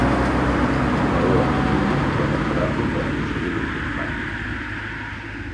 El peó amb l'armilla pot emprar-lo per aconseguir l'últim rang.